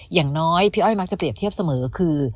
อย่างน้อยพี่อ้อยมักจะเรียบเทียบเสมอคือ